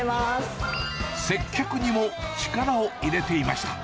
接客にも力を入れていました。